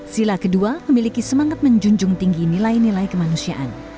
sila kedua memiliki semangat menjunjung tinggi nilai nilai kemanusiaan